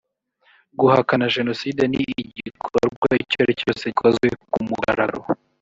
guhakana jenoside ni igikorwa icyo ari cyo cyose gikozwe ku mugaragaro